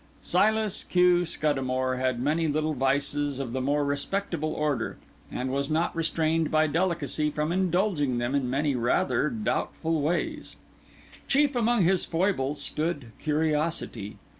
Silas Q. Scuddamore had many little vices of the more respectable order, and was not restrained by delicacy from indulging them in many rather doubtful ways. Chief among his foibles stood curiosity.